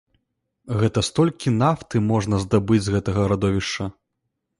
Гэта столькі нафты можна здабыць з гэтага радовішча.